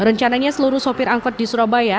rencananya seluruh sopir angkot di surabaya